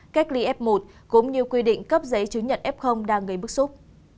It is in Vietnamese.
cách ly f một cũng như quy định cấp giấy chứng nhận f đang gây bức xúc